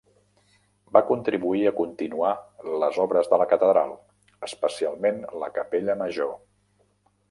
Va contribuir a continuar les obres de la catedral, especialment la capella major.